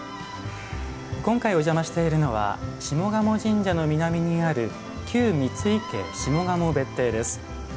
今回お邪魔しているのは下鴨神社の南にある旧三井家下鴨別邸です。